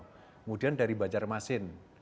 kemudian dari bacar masin